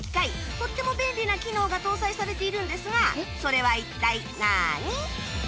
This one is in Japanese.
とっても便利な機能が搭載されているんですがそれは一体何？